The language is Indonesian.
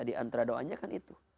di antara doanya kan itu